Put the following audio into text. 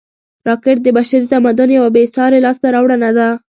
راکټ د بشري تمدن یوه بېساري لاسته راوړنه ده